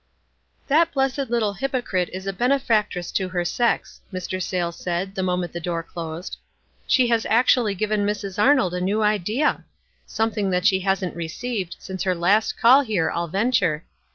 "That blessed little hypocrite is a benefactress to her sex," Mr. Sayles said, the moment the door closed. " She has actually given Mrs. Ar nold a new idea I Something that she hasn't i7a 174 WISE AND OTHERWISE. received since her last call here, I'll venture.